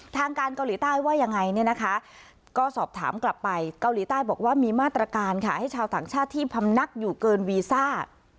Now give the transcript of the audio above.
ทางการเกาหลีใต้ว่ายังไงเนี่ยนะคะก็สอบถามกลับไปเกาหลีใต้บอกว่ามีมาตรการค่ะให้ชาวต่างชาติที่พำนักอยู่เกินวีซ่า